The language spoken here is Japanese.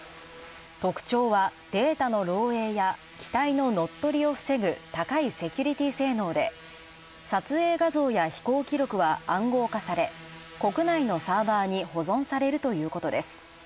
特徴はデータの漏洩や機体の乗っ取りを防ぐ高いセキュリティー性能で、撮影画像や飛行記録は暗号化され、国内のサーバーに保存されるということです。